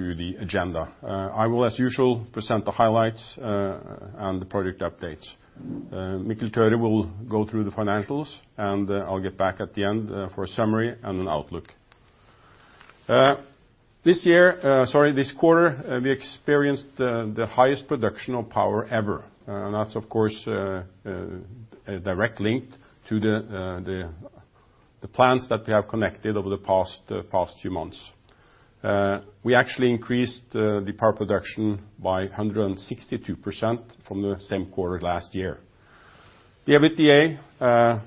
To the agenda. I will, as usual, present the highlights and the project updates. Mikkel Tørud will go through the financials. I'll get back at the end for a summary and an outlook. This quarter, we experienced the highest production of power ever. That's of course, directly linked to the plants that we have connected over the past few months. We actually increased the power production by 162% from the same quarter last year. The EBITDA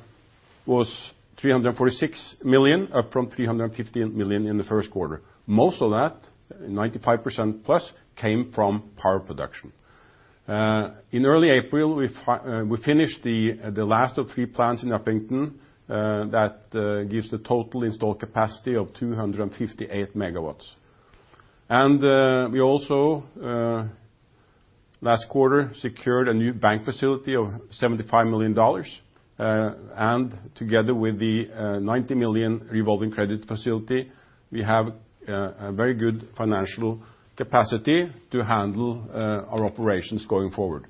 was 346 million from 315 million in the first quarter. Most of that, 95% plus, came from power production. In early April, we finished the last of three plants in Upington. That gives the total installed capacity of 258 MW. We also last quarter secured a new bank facility of $75 million. Together with the $90 million revolving credit facility, we have a very good financial capacity to handle our operations going forward.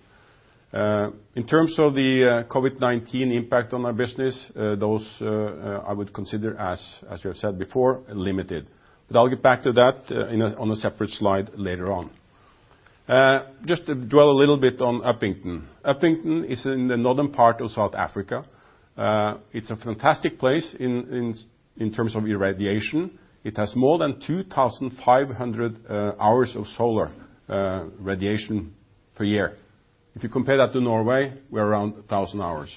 In terms of the COVID-19 impact on our business, those I would consider as, we have said before, limited. I'll get back to that on a separate slide later on. Just to dwell a little bit on Upington. Upington is in the northern part of South Africa. It's a fantastic place in terms of irradiation. It has more than 2,500 hours of solar radiation per year. If you compare that to Norway, we're around 1,000 hours.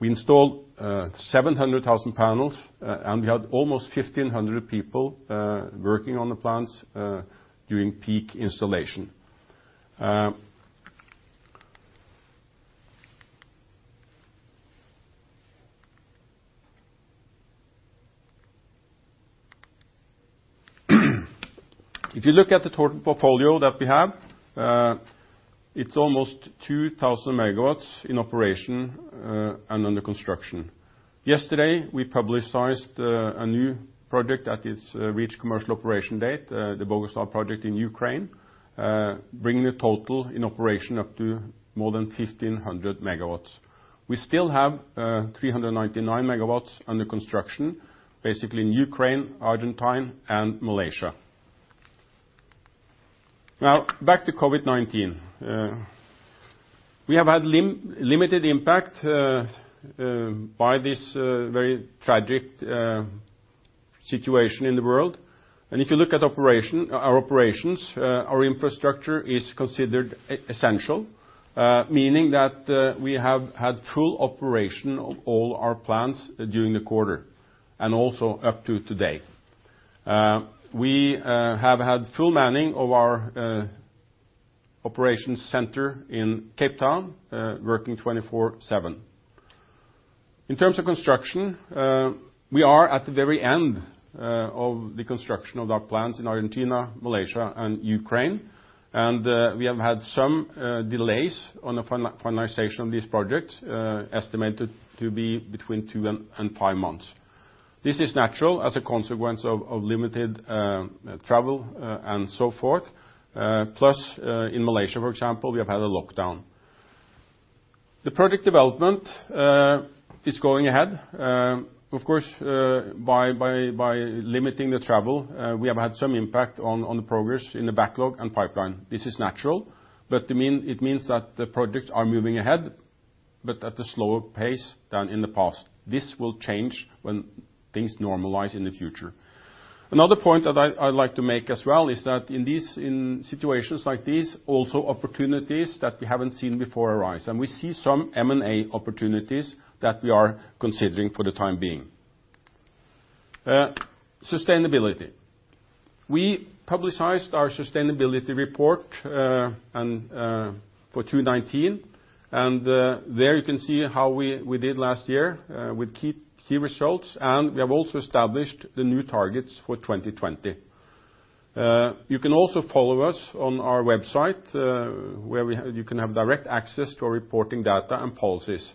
We installed 700,000 panels, and we had almost 1,500 people working on the plants during peak installation. If you look at the total portfolio that we have, it's almost 2,000 MW in operation and under construction. Yesterday, we publicized a new project that has reached commercial operation date, the Boguslav project in Ukraine, bringing the total in operation up to more than 1,500 MW. We still have 399 MW under construction, basically in Ukraine, Argentina, and Malaysia. Back to COVID-19. We have had limited impact by this very tragic situation in the world. If you look at our operations, our infrastructure is considered essential, meaning that we have had full operation of all our plants during the quarter and also up to today. We have had full manning of our operations center in Cape Town, working 24/7. In terms of construction, we are at the very end of the construction of our plants in Argentina, Malaysia, and Ukraine. We have had some delays on the finalization of these projects, estimated to be between two and five months. This is natural as a consequence of limited travel and so forth. In Malaysia, for example, we have had a lockdown. The project development is going ahead. Of course, by limiting the travel, we have had some impact on the progress in the backlog and pipeline. This is natural, but it means that the projects are moving ahead but at a slower pace than in the past. This will change when things normalize in the future. Another point that I'd like to make as well is that in situations like these, also opportunities that we haven't seen before arise, and we see some M&A opportunities that we are considering for the time being. Sustainability. We publicized our sustainability report for 2019, and there you can see how we did last year with key results, and we have also established the new targets for 2020. You can also follow us on our website where you can have direct access to our reporting data and policies.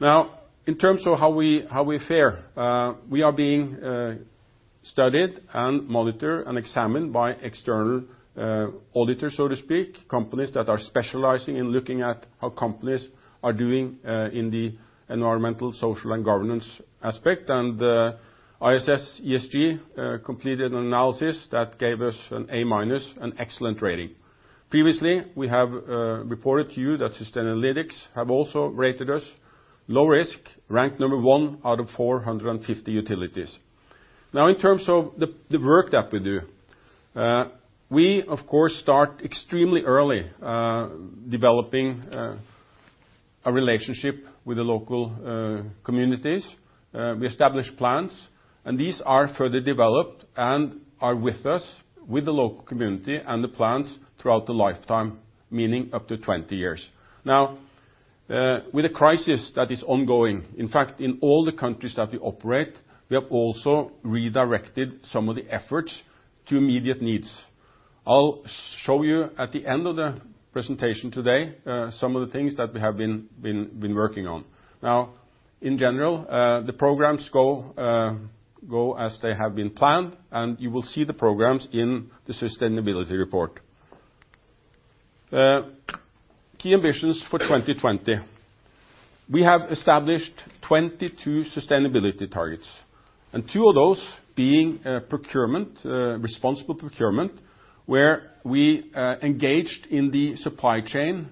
In terms of how we fare, we are being studied and monitored and examined by external auditors, so to speak. Companies that are specializing in looking at how companies are doing in the environmental, social, and governance aspect. ISS ESG completed an analysis that gave us an A-, an excellent rating. Previously, we have reported to you that Sustainalytics have also rated us low risk, ranked number one out of 450 utilities. In terms of the work that we do, we of course start extremely early developing a relationship with the local communities. We establish plants, and these are further developed and are with us, with the local community and the plants throughout the lifetime, meaning up to 20 years. Now with the crisis that is ongoing, in fact, in all the countries that we operate, we have also redirected some of the efforts to immediate needs. I'll show you at the end of the presentation today some of the things that we have been working on. Now, in general, the programs go as they have been planned, and you will see the programs in the sustainability report. Key ambitions for 2020. We have established 22 sustainability targets, and two of those being responsible procurement, where we engaged in the supply chain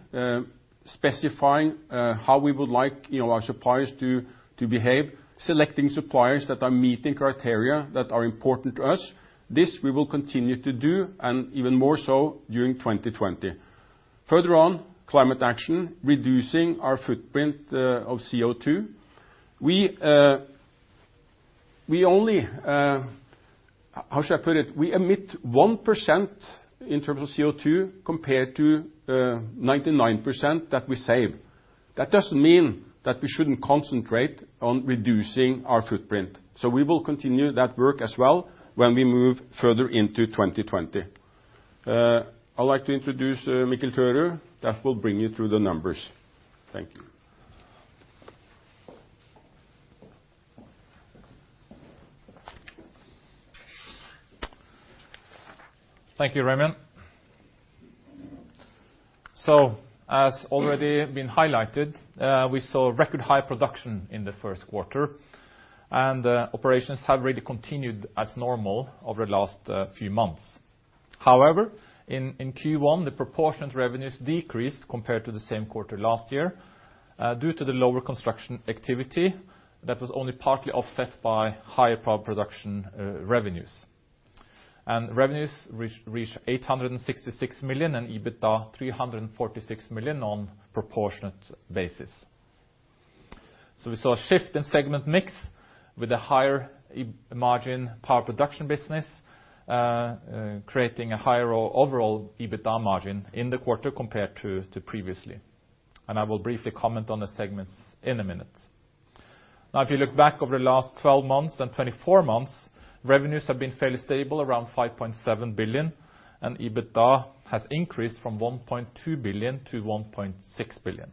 specifying how we would like our suppliers to behave, selecting suppliers that are meeting criteria that are important to us. This we will continue to do, and even more so during 2020. Further on, climate action, reducing our footprint of CO2. How should I put it? We emit 1% in terms of CO2 compared to 99% that we save. That doesn't mean that we shouldn't concentrate on reducing our footprint. We will continue that work as well when we move further into 2020. I'd like to introduce Mikkel Tørud that will bring you through the numbers. Thank you. Thank you, Raymond. As already been highlighted, we saw record high production in the first quarter, and operations have really continued as normal over the last few months. However, in Q1, the proportionate revenues decreased compared to the same quarter last year due to the lower construction activity that was only partly offset by higher power production revenues. Revenues reached 866 million and EBITDA 346 million on proportionate basis. We saw a shift in segment mix with a higher margin power production business, creating a higher overall EBITDA margin in the quarter compared to previously. I will briefly comment on the segments in a minute. Now, if you look back over the last 12 months and 24 months, revenues have been fairly stable, around 5.7 billion, and EBITDA has increased from 1.2 billion to 1.6 billion.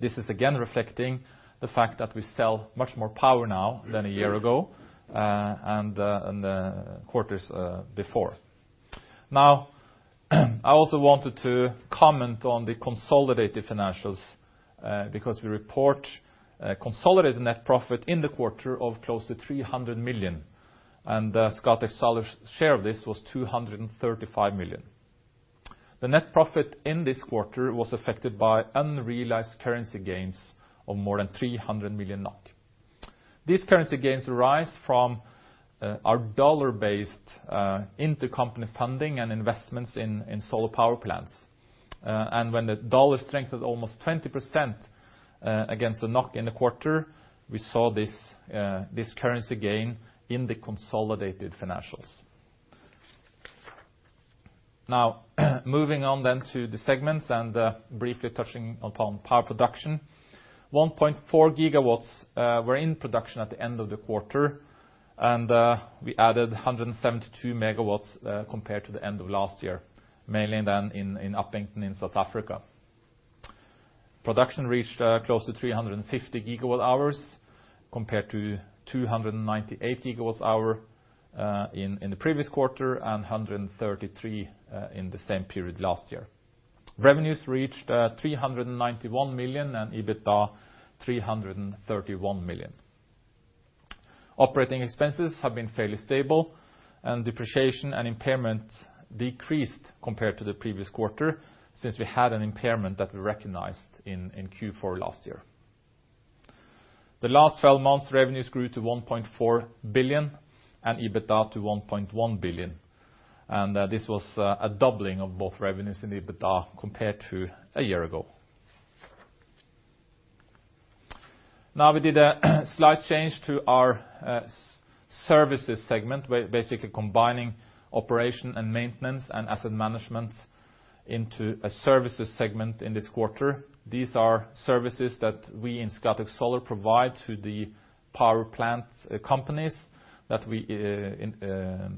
This is again reflecting the fact that we sell much more power now than a year ago and the quarters before. I also wanted to comment on the consolidated financials because we report consolidated net profit in the quarter of close to 300 million, and Scatec's share of this was 235 million. The net profit in this quarter was affected by unrealized currency gains of more than 300 million NOK. These currency gains arise from our dollar-based intercompany funding and investments in solar power plants. When the dollar strengthened almost 20% against the NOK in the quarter, we saw this currency gain in the consolidated financials. Moving on to the segments and briefly touching upon power production. 1.4 GW were in production at the end of the quarter, and we added 172 MW compared to the end of last year, mainly than in Upington in South Africa. Production reached close to 350 GWh compared to 298 GWh in the previous quarter and 133 in the same period last year. Revenues reached 391 million and EBITDA 331 million. Operating expenses have been fairly stable, and depreciation and impairment decreased compared to the previous quarter since we had an impairment that we recognized in Q4 last year. The last 12 months, revenues grew to 1.4 billion and EBITDA to 1.1 billion. This was a doubling of both revenues and EBITDA compared to a year ago. We did a slight change to our services segment, basically combining operation and maintenance and asset management into a services segment in this quarter. These are services that we in Scatec Solar provide to the power plant companies that we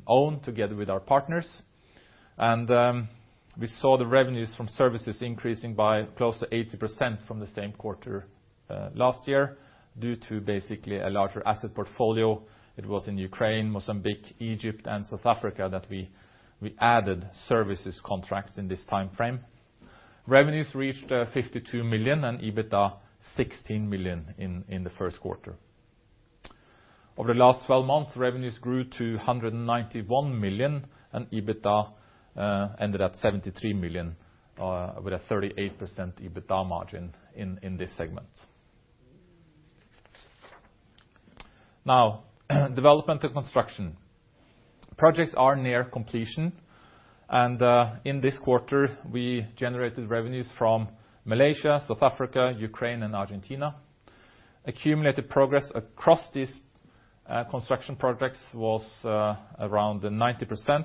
own together with our partners. We saw the revenues from services increasing by close to 80% from the same quarter last year due to basically a larger asset portfolio. It was in Ukraine, Mozambique, Egypt and South Africa that we added services contracts in this time frame. Revenues reached 52 million and EBITDA 16 million in the first quarter. Over the last 12 months, revenues grew to 191 million and EBITDA ended at 73 million, with a 38% EBITDA margin in this segment. Now, development and construction. Projects are near completion, and in this quarter, we generated revenues from Malaysia, South Africa, Ukraine and Argentina. Accumulated progress across these construction projects was around 90%.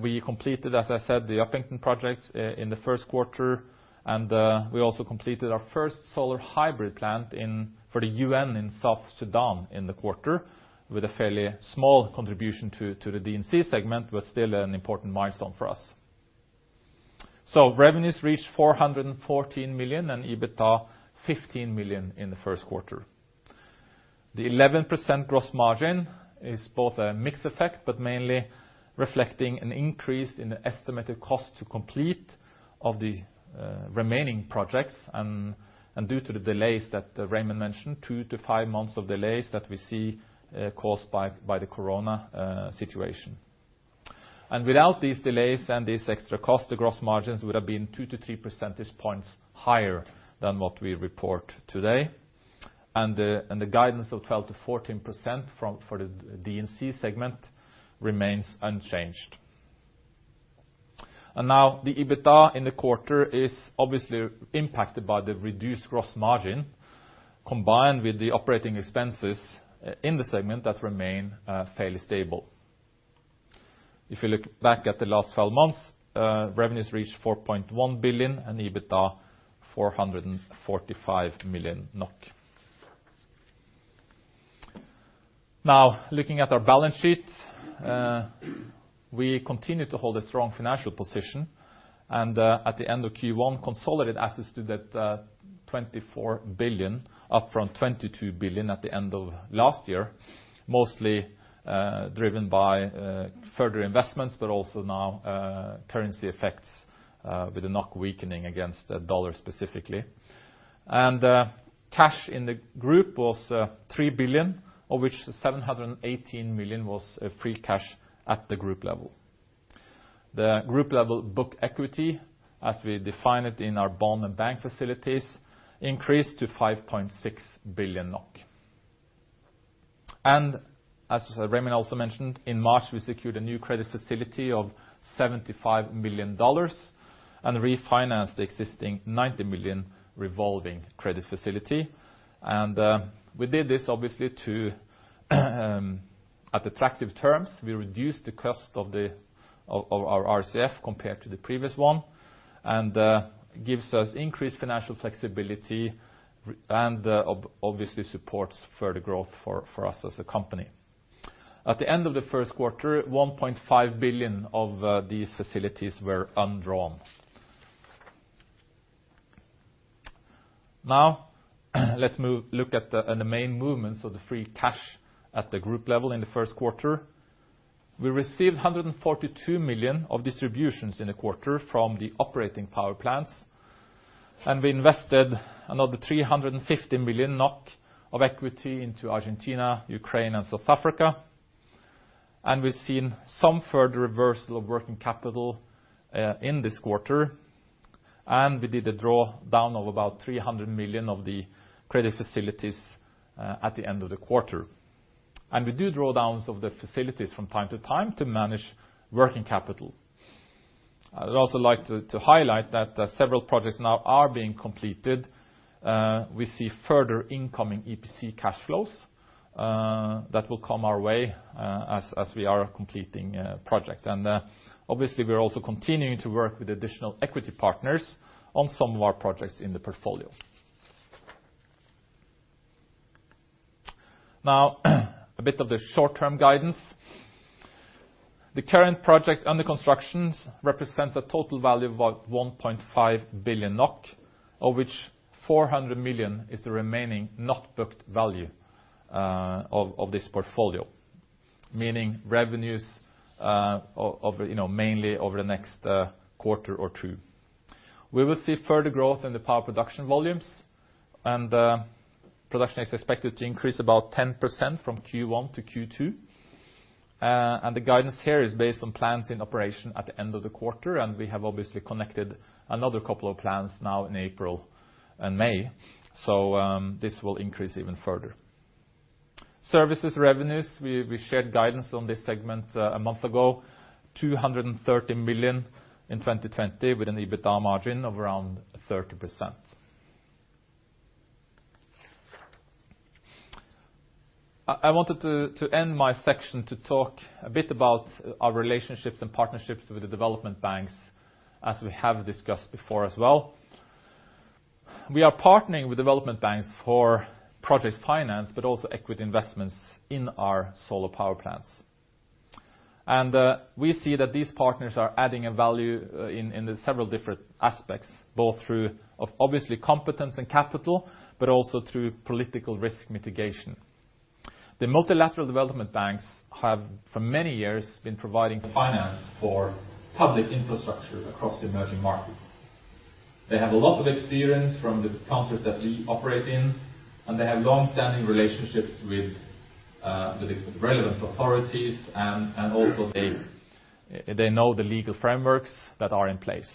We completed, as I said, the Upington projects in the first quarter, and we also completed our first solar hybrid plant for the UN in South Sudan in the quarter with a fairly small contribution to the D&C segment, but still an important milestone for us. Revenues reached 414 million and EBITDA 15 million in the first quarter. The 11% gross margin is both a mix effect, but mainly reflecting an increase in the estimated cost to complete of the remaining projects, and due to the delays that Raymond mentioned, two to five months of delays that we see caused by the Corona situation. Without these delays and this extra cost, the gross margins would have been two to three percentage points higher than what we report today. The guidance of 12%-14% for the D&C segment remains unchanged. Now the EBITDA in the quarter is obviously impacted by the reduced gross margin combined with the operating expenses in the segment that remain fairly stable. If you look back at the last 12 months, revenues reached 4.1 billion and EBITDA 445 million NOK. Now looking at our balance sheet. We continue to hold a strong financial position. At the end of Q1, consolidated assets stood at 24 billion, up from 22 billion at the end of last year, mostly driven by further investments, but also now currency effects with the NOK weakening against the dollar specifically. Cash in the group was 3 billion, of which 718 million was free cash at the group level. The group level book equity, as we define it in our bond and bank facilities, increased to 5.6 billion NOK. As Raymond also mentioned, in March we secured a new credit facility of $75 million and refinanced the existing 90 million revolving credit facility. We did this obviously at attractive terms. We reduced the cost of our RCF compared to the previous one. This gives us increased financial flexibility and obviously supports further growth for us as a company. At the end of the first quarter, 1.5 billion of these facilities were undrawn. Now let's look at the main movements of the free cash at the group level in the first quarter. We received 142 million of distributions in the quarter from the operating power plants, and we invested another 350 million NOK of equity into Argentina, Ukraine and South Africa. We've seen some further reversal of working capital in this quarter. We did a drawdown of about 300 million of the credit facilities at the end of the quarter. We do drawdowns of the facilities from time to time to manage working capital. I would also like to highlight that several projects now are being completed. We see further incoming EPC cash flows that will come our way as we are completing projects. Obviously we are also continuing to work with additional equity partners on some of our projects in the portfolio. Now, a bit of the short-term guidance. The current projects under construction represents a total value of 1.5 billion NOK, of which 400 million is the remaining not booked value of this portfolio, meaning revenues mainly over the next quarter or two. We will see further growth in the power production volumes. Production is expected to increase about 10% from Q1 to Q2. The guidance here is based on plants in operation at the end of the quarter. We have obviously connected another couple of plants now in April and May. This will increase even further. Services revenues, we shared guidance on this segment a month ago, 230 million in 2020 with an EBITDA margin of around 30%. I wanted to end my section to talk a bit about our relationships and partnerships with the development banks, as we have discussed before as well. We are partnering with development banks for project finance, but also equity investments in our solar power plants. We see that these partners are adding a value in the several different aspects, both through obviously competence and capital, but also through political risk mitigation. The multilateral development banks have for many years been providing finance for public infrastructure across emerging markets. They have a lot of experience from the countries that we operate in, and they have longstanding relationships with the relevant authorities and also they know the legal frameworks that are in place.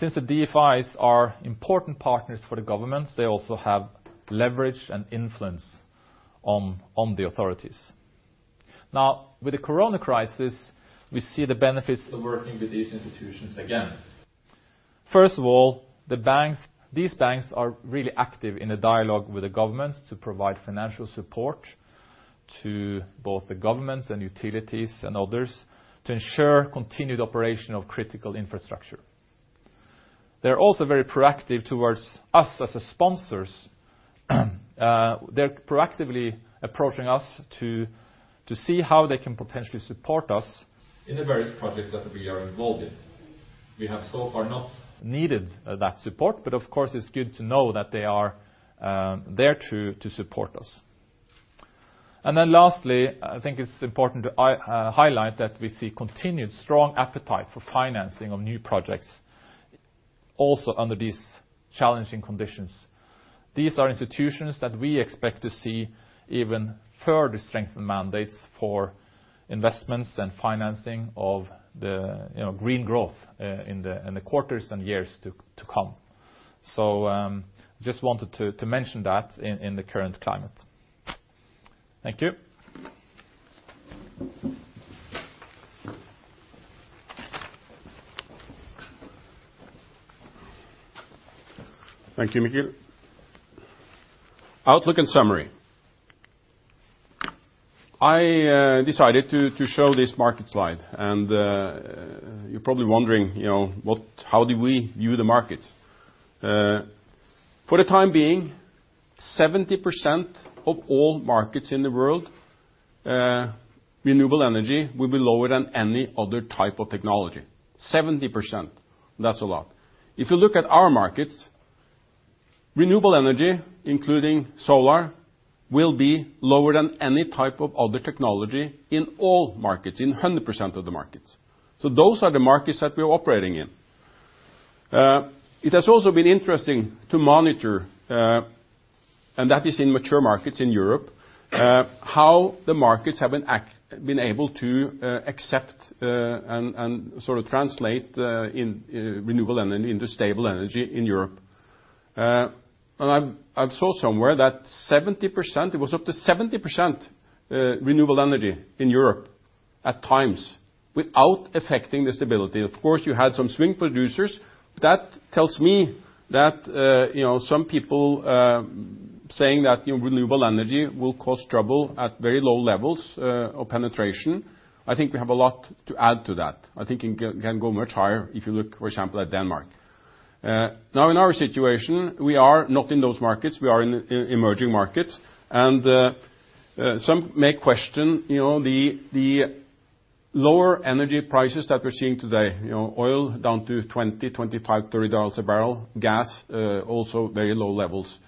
Since the DFIs are important partners for the governments, they also have leverage and influence on the authorities. Now with the COVID-19 crisis, we see the benefits of working with these institutions again. First of all, these banks are really active in the dialogue with the governments to provide financial support to both the governments and utilities and others to ensure continued operation of critical infrastructure. They are also very proactive towards us as sponsors. They are proactively approaching us to see how they can potentially support us in the various projects that we are involved in. We have so far not needed that support, but of course, it's good to know that they are there to support us. Lastly, I think it's important to highlight that we see continued strong appetite for financing of new projects also under these challenging conditions. These are institutions that we expect to see even further strengthened mandates for investments and financing of the green growth in the quarters and years to come. Just wanted to mention that in the current climate. Thank you. Thank you, Mikkel. Outlook and summary. I decided to show this market slide, and you're probably wondering how do we view the markets. For the time being, 70% of all markets in the world, renewable energy will be lower than any other type of technology. 70%. That's a lot. If you look at our markets, renewable energy, including solar, will be lower than any type of other technology in all markets, in 100% of the markets. Those are the markets that we are operating in. It has also been interesting to monitor, and that is in mature markets in Europe, how the markets have been able to accept and sort of translate renewable energy into stable energy in Europe. I saw somewhere that it was up to 70% renewable energy in Europe at times without affecting the stability. Of course, you had some swing producers. That tells me that some people saying that renewable energy will cause trouble at very low levels of penetration, I think we have a lot to add to that. I think it can go much higher if you look, for example, at Denmark. Now in our situation, we are not in those markets, we are in emerging markets, and some may question the lower energy prices that we're seeing today. Oil down to $20, $25, $30 a bbl, gas also very low levels.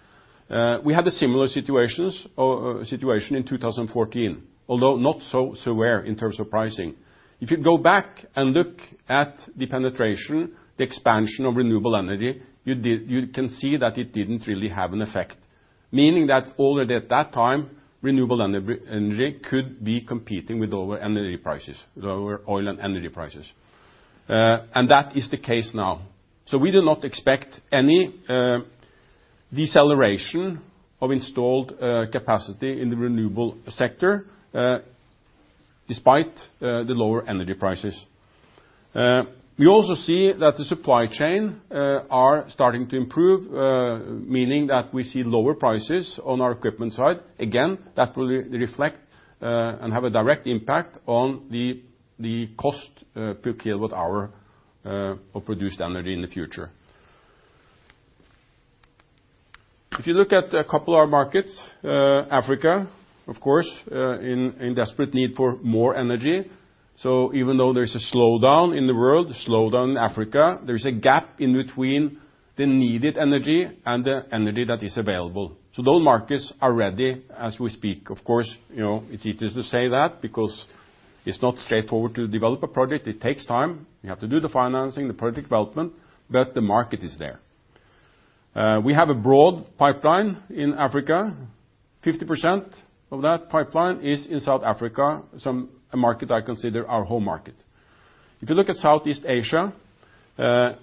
We had a similar situation in 2014, although not so rare in terms of pricing. If you go back and look at the penetration, the expansion of renewable energy, you can see that it didn't really have an effect, meaning that already at that time, renewable energy could be competing with lower energy prices, lower oil and energy prices. That is the case now. We do not expect any deceleration of installed capacity in the renewable sector despite the lower energy prices. We also see that the supply chain are starting to improve, meaning that we see lower prices on our equipment side. Again, that will reflect and have a direct impact on the cost per kilowatt hour of produced energy in the future. If you look at a couple of our markets, Africa, of course, in desperate need for more energy. Even though there's a slowdown in the world, slowdown in Africa, there's a gap in between the needed energy and the energy that is available. Those markets are ready as we speak. Of course, it's easy to say that because it's not straightforward to develop a project. It takes time. You have to do the financing, the project development, but the market is there. We have a broad pipeline in Africa. 50% of that pipeline is in South Africa, a market I consider our home market. If you look at Southeast Asia,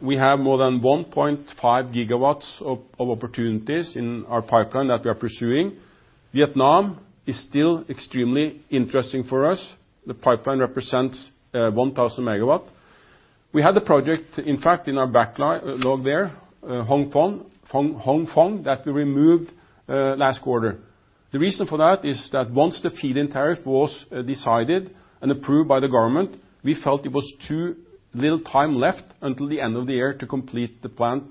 we have more than 1.5 GW of opportunities in our pipeline that we are pursuing. Vietnam is still extremely interesting for us. The pipeline represents 1,000 MW. We had a project, in fact, in our backlog there, Hong Phong, that we removed last quarter. The reason for that is that once the feed-in tariff was decided and approved by the government, we felt it was too little time left until the end of the year to complete the plant,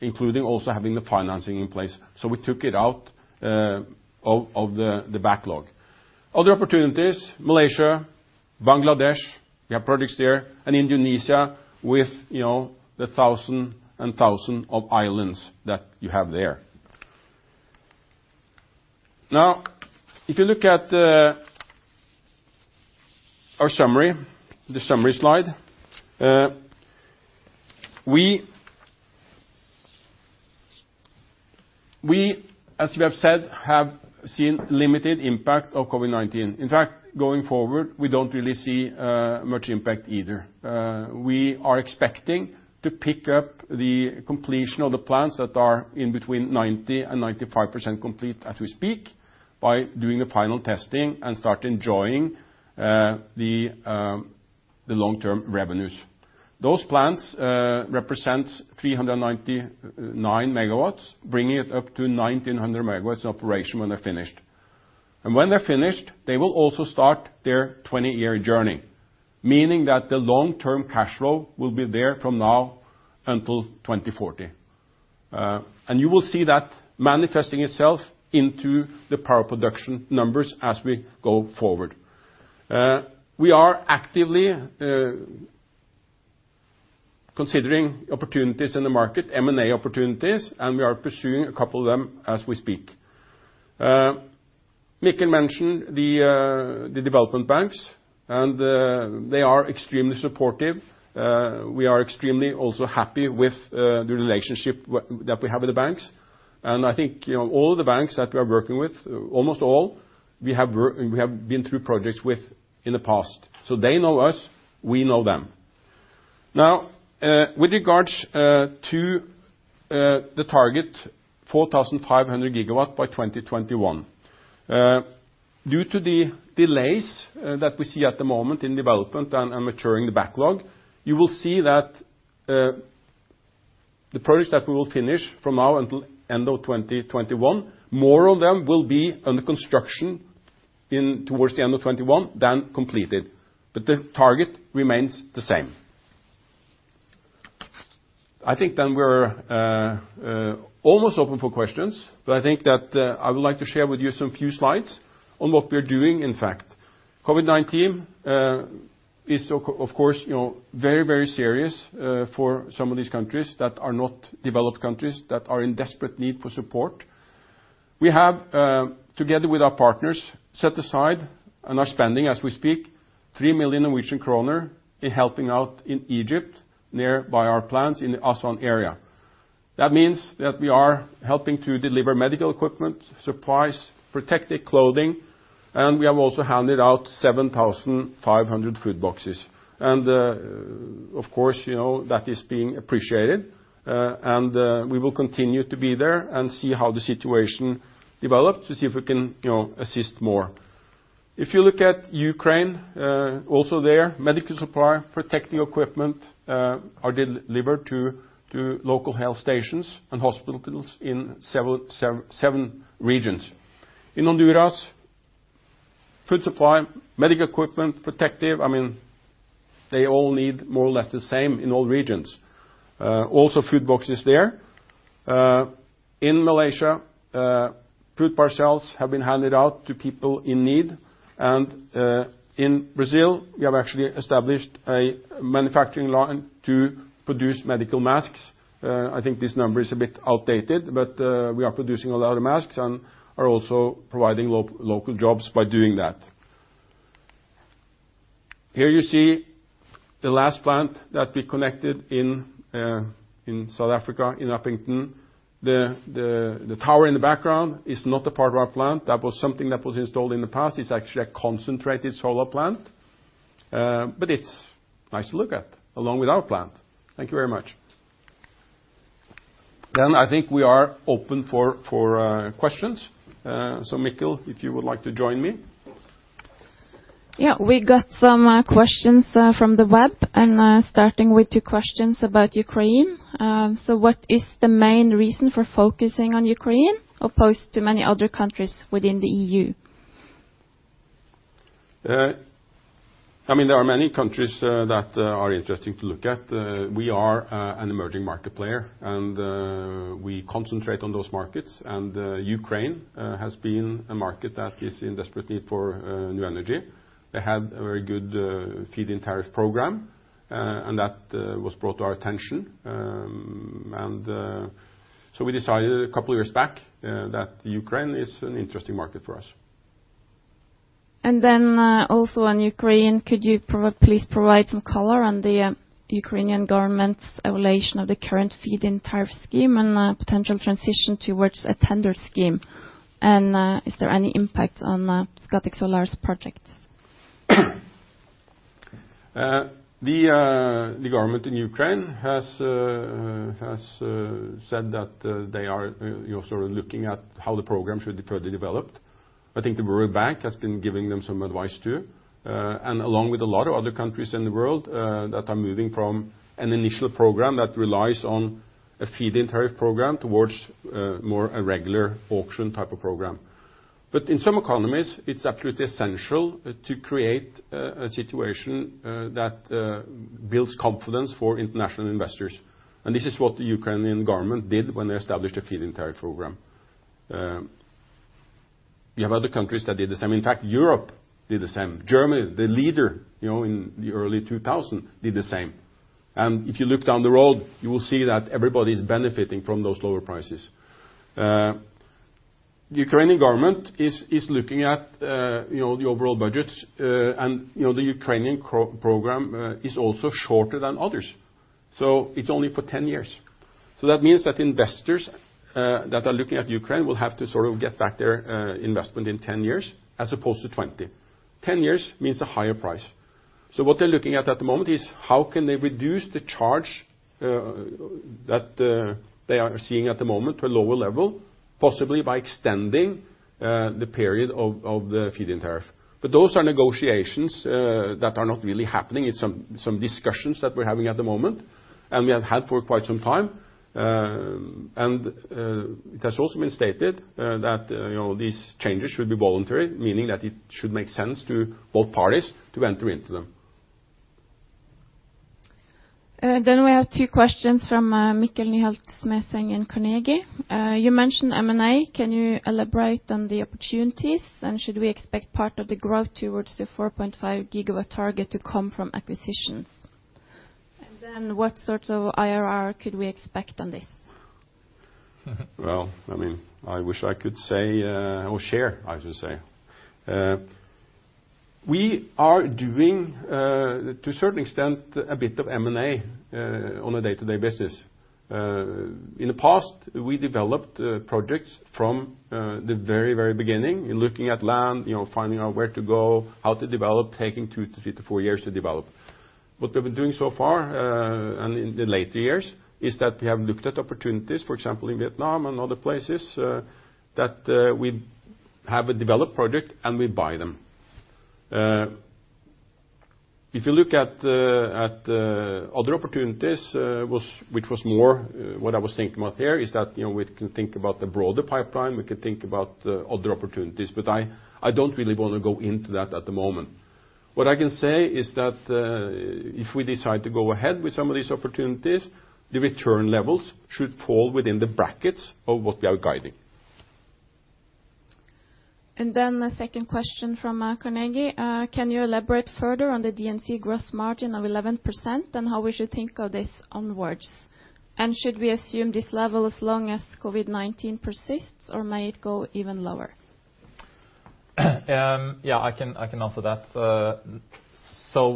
including also having the financing in place. We took it out of the backlog. Other opportunities, Malaysia, Bangladesh, we have projects there, and Indonesia with the thousand and thousand of islands that you have there. If you look at our summary, the summary slide, we, as you have said, have seen limited impact of COVID-19. In fact, going forward, we don't really see much impact either. We are expecting to pick up the completion of the plants that are in between 90% and 95% complete as we speak by doing a final testing and start enjoying the long-term revenues. Those plants represent 399 MW, bringing it up to 1,900 megawatts in operation when they're finished. When they're finished, they will also start their 20-year journey, meaning that the long-term cash flow will be there from now until 2040. You will see that manifesting itself into the power production numbers as we go forward. We are actively considering opportunities in the market, M&A opportunities, and we are pursuing a couple of them as we speak. Mikkel mentioned the development banks, they are extremely supportive. We are extremely also happy with the relationship that we have with the banks. I think all of the banks that we are working with, almost all, we have been through projects with in the past. They know us, we know them. Now, with regards to the target 4,500 GW by 2021. Due to the delays that we see at the moment in development and maturing the backlog, you will see that the projects that we will finish from now until end of 2021, more of them will be under construction towards the end of 2021 than completed. The target remains the same. I think we're almost open for questions, I think that I would like to share with you some few slides on what we're doing, in fact. COVID-19 is, of course, very, very serious for some of these countries that are not developed countries, that are in desperate need for support. We have, together with our partners, set aside and are spending, as we speak, 3 million Norwegian kroner in helping out in Egypt, nearby our plants in the Aswan area. That means that we are helping to deliver medical equipment, supplies, protective clothing. We have also handed out 7,500 food boxes. Of course, that is being appreciated. We will continue to be there and see how the situation develops to see if we can assist more. If you look at Ukraine, also there, medical supply, protective equipment are delivered to local health stations and hospitals in seven regions. In Honduras, food supply, medical equipment. They all need more or less the same in all regions, also food boxes there. In Malaysia, food parcels have been handed out to people in need. In Brazil, we have actually established a manufacturing line to produce medical masks. I think this number is a bit outdated, but we are producing a lot of masks and are also providing local jobs by doing that. Here you see the last plant that we connected in South Africa in Upington. The tower in the background is not a part of our plant. That was something that was installed in the past. It is actually a concentrated solar plant. It is nice to look at, along with our plant. Thank you very much. I think we are open for questions. Mikkel, if you would like to join me. Yeah. We got some questions from the web, starting with the questions about Ukraine. What is the main reason for focusing on Ukraine opposed to many other countries within the EU? There are many countries that are interesting to look at. We are an emerging market player, and we concentrate on those markets. Ukraine has been a market that is in desperate need for new energy. They had a very good feed-in tariff program, and that was brought to our attention. We decided a couple of years back that Ukraine is an interesting market for us. Also on Ukraine, could you please provide some color on the Ukrainian government's evaluation of the current feed-in tariff scheme and potential transition towards a tender scheme? Is there any impact on Scatec Solar's projects? The government in Ukraine has said that they are looking at how the program should be further developed. I think the World Bank has been giving them some advice, too, along with a lot of other countries in the world that are moving from an initial program that relies on a feed-in tariff program towards more a regular auction-type of program. In some economies, it's absolutely essential to create a situation that builds confidence for international investors. This is what the Ukrainian government did when they established a feed-in tariff program. You have other countries that did the same. In fact, Europe did the same. Germany, the leader in the early 2000, did the same. If you look down the road, you will see that everybody's benefiting from those lower prices. The Ukrainian government is looking at the overall budget. The Ukrainian program is also shorter than others. It's only for 10 years. That means that investors that are looking at Ukraine will have to sort of get back their investment in 10 years as opposed to 20. 10 years means a higher price. What they are looking at the moment is how can they reduce the charge that they are seeing at the moment to a lower level, possibly by extending the period of the feed-in tariff. Those are negotiations that are not really happening. It's some discussions that we're having at the moment, and we have had for quite some time. It has also been stated that these changes should be voluntary, meaning that it should make sense to both parties to enter into them. We have two questions from Mikkel Nyholt-Smedseng in Carnegie. You mentioned M&A. Can you elaborate on the opportunities, should we expect part of the growth towards the 4.5 gigawatt target to come from acquisitions? What sorts of IRR could we expect on this? Well, I wish I could say or share, I should say. We are doing, to a certain extent, a bit of M&A on a day-to-day basis. In the past, we developed projects from the very beginning in looking at land, finding out where to go, how to develop, taking two to three to four years to develop. What we've been doing so far, and in the later years, is that we have looked at opportunities, for example, in Vietnam and other places, that we have a developed project, and we buy them. If you look at other opportunities, which was more what I was thinking about here, is that we can think about the broader pipeline. We can think about other opportunities. I don't really want to go into that at the moment. What I can say is that if we decide to go ahead with some of these opportunities, the return levels should fall within the brackets of what we are guiding. The second question from Carnegie. Can you elaborate further on the D&C gross margin of 11% and how we should think of this onwards? Should we assume this level as long as COVID-19 persists, or may it go even lower? Yeah, I can answer that.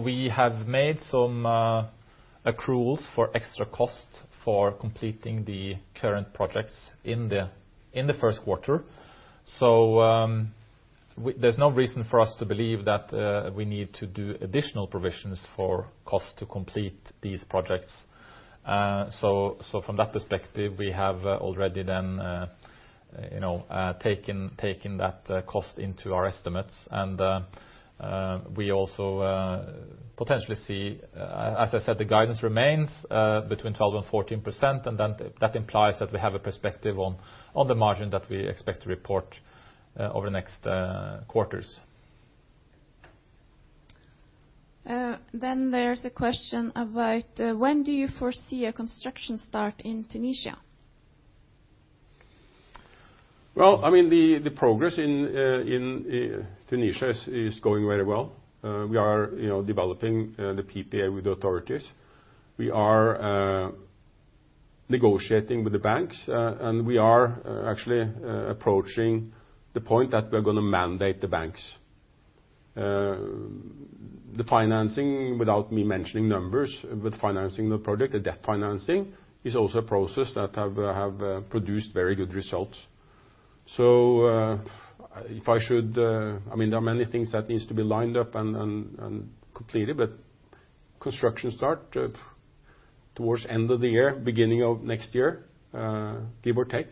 We have made some accruals for extra cost for completing the current projects in the first quarter. There's no reason for us to believe that we need to do additional provisions for cost to complete these projects. From that perspective, we have already then taken that cost into our estimates. We also potentially see, as I said, the guidance remains between 12%-14%, and that implies that we have a perspective on the margin that we expect to report over the next quarters. There's a question about when do you foresee a construction start in Tunisia? Well, the progress in Tunisia is going very well. We are developing the PPA with the authorities. We are negotiating with the banks, and we are actually approaching the point that we are going to mandate the banks. The financing, without me mentioning numbers, but financing the project, the debt financing, is also a process that have produced very good results. There are many things that needs to be lined up and completed, but construction start towards end of the year, beginning of next year, give or take.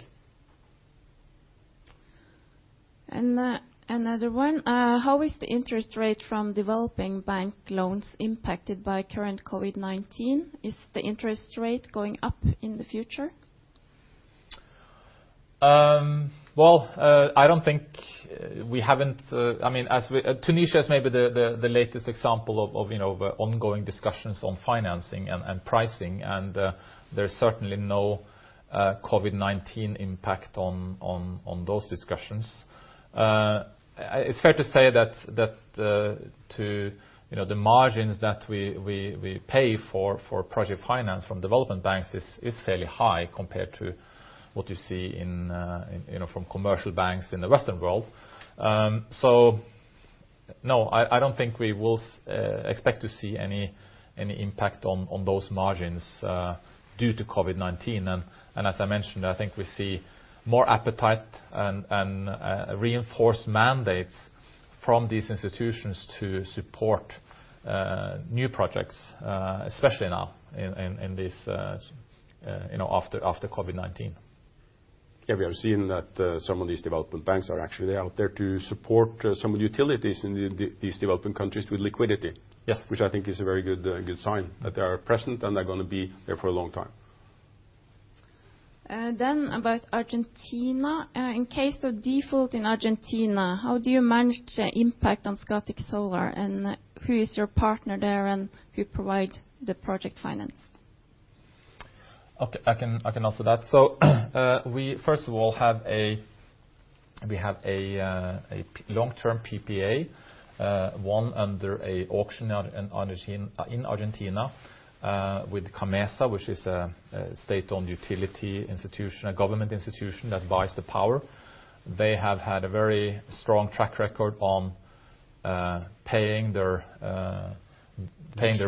Another one. How is the interest rate from developing bank loans impacted by current COVID-19? Is the interest rate going up in the future? Well, Tunisia is maybe the latest example of ongoing discussions on financing and pricing, and there's certainly no COVID-19 impact on those discussions. It's fair to say that the margins that we pay for project finance from development banks is fairly high compared to what you see from commercial banks in the Western world. No, I don't think we will expect to see any impact on those margins due to COVID-19. As I mentioned, I think we see more appetite and reinforced mandates from these institutions to support new projects, especially now after COVID-19. Yeah, we have seen that some of these development banks are actually out there to support some of the utilities in these developing countries with liquidity. Yes. Which I think is a very good sign that they are present, and they're going to be there for a long time. About Argentina. In case of default in Argentina, how do you manage the impact on Scatec Solar, and who is your partner there, and who provide the project finance? I can answer that. We first of all have a long-term PPA, one under an auction in Argentina with CAMMESA, which is a state-owned utility institution, a government institution that buys the power. They have had a very strong track record on paying their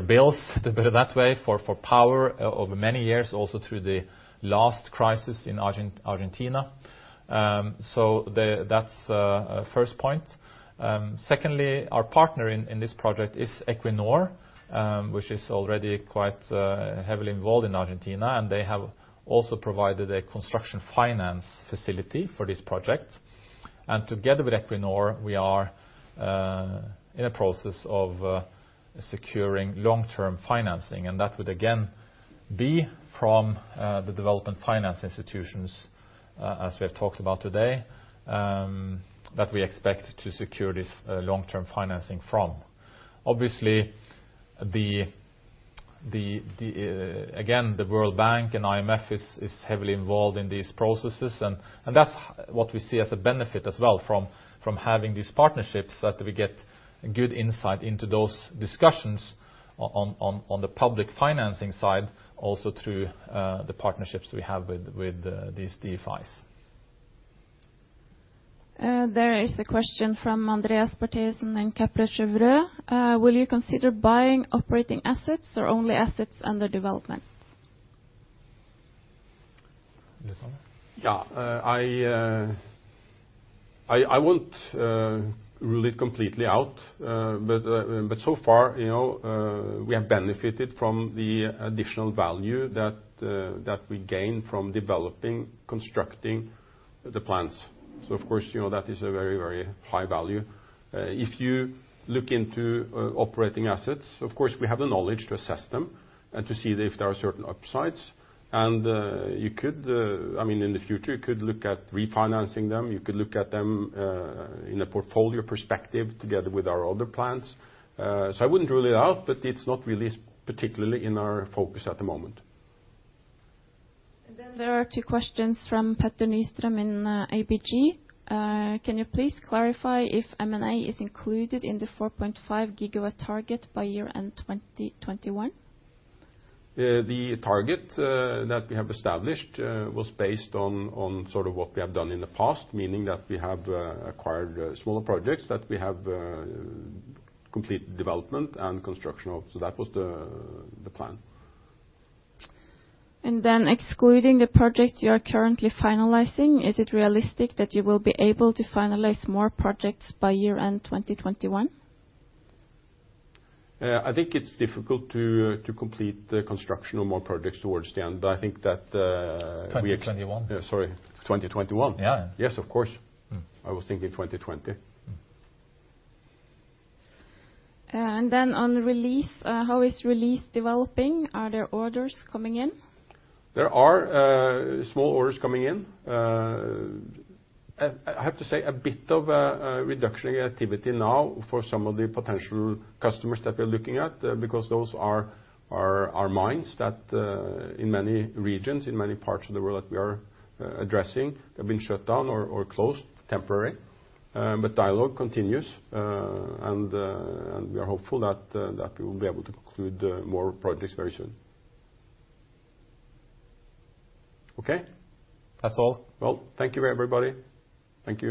bills, to put it that way, for power over many years, also through the last crisis in Argentina. That's first point. Secondly, our partner in this project is Equinor, which is already quite heavily involved in Argentina, and they have also provided a construction finance facility for this project. Together with Equinor, we are in a process of securing long-term financing, and that would again be from the Development Finance Institutions, as we have talked about today, that we expect to secure this long-term financing from. Obviously, again, the World Bank and IMF is heavily involved in these processes and that's what we see as a benefit as well from having these partnerships, that we get good insight into those discussions on the public financing side, also through the partnerships we have with these DFIs. There is a question from Andreas Bertheussen in Kepler Cheuvreux. Will you consider buying operating assets or only assets under development? Yes. I won't rule it completely out. So far, we have benefited from the additional value that we gain from developing, constructing the plants. Of course, that is a very high value. If you look into operating assets, of course, we have the knowledge to assess them and to see if there are certain upsides. In the future, you could look at refinancing them, you could look at them in a portfolio perspective together with our other plants. I wouldn't rule it out, but it's not really particularly in our focus at the moment. There are two questions from Petter Nystrøm in ABG. Can you please clarify if M&A is included in the 4.5 GW target by year end 2021? The target that we have established was based on what we have done in the past, meaning that we have acquired smaller projects that we have complete development and construction of. That was the plan. Excluding the project you are currently finalizing, is it realistic that you will be able to finalize more projects by year end 2021? I think it's difficult to complete the construction of more projects towards the end, but I think. 2021. Sorry, 2021. Yeah. Yes, of course. I was thinking 2020. On Release, how is Release developing? Are there orders coming in? There are small orders coming in. I have to say a bit of a reduction in activity now for some of the potential customers that we are looking at because those are our mines that in many regions, in many parts of the world that we are addressing, have been shut down or closed temporary. Dialogue continues, and we are hopeful that we will be able to conclude more projects very soon. Okay? That's all. Well, thank you, everybody. Thank you.